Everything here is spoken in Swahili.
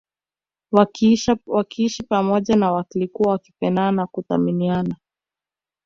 Wakiishi pamoja na walikuwa wakipendana na kuthaminiana